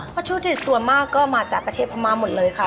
วัตถุดิบส่วนมากก็มาจากประเทศประมาณหมดเลยค่ะ